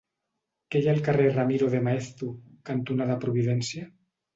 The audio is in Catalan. Què hi ha al carrer Ramiro de Maeztu cantonada Providència?